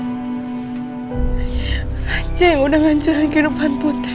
rajak yang udah ngancurin kehidupan putri